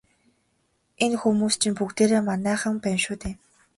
Энэ хүмүүс чинь бүгдээрээ манайхан байна шүү дээ.